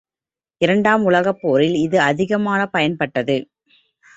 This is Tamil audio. இரண்டாம் உலகப் போரில் இது அதிகமாகப் பயன்பட்டது.